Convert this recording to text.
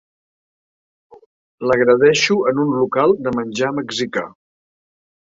L'agredeixo en un local de menjar mexicà.